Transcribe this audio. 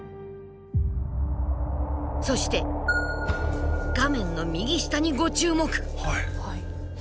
そして画面の右下にご注目。